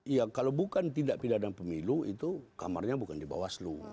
iya kalau bukan tindak pidana pemilu itu kamarnya bukan di bawaslu